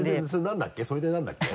それでなんだっけ？